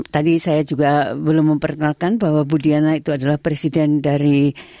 tadi saya juga belum memperkenalkan bahwa budiana itu adalah presiden dari